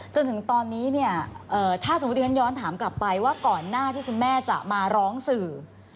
จนถึงตอนนี้เนี่ยถ้าสมมุติฉันย้อนถามกลับไปว่าก่อนหน้าที่คุณแม่จะมาร้องสื่อ